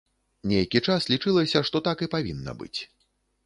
Нейкі час лічылася, што так і павінна быць.